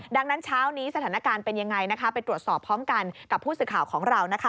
ดังนั้นเช้านี้สถานการณ์เป็นยังไงไปตรวจสอบพร้อมกันกับผู้สื่อข่าวของเรา